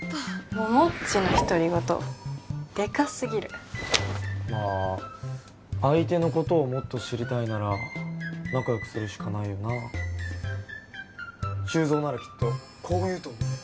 桃っちの独り言でかすぎるまあ相手のことをもっと知りたいなら仲よくするしかないよなあ修造ならきっとこう言うと思うよ